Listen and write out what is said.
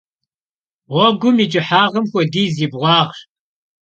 Ğuegum yi ç'ıhağım xuedizi yi bğuağş.